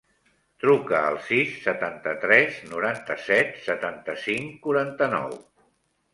Truca al sis, setanta-tres, noranta-set, setanta-cinc, quaranta-nou.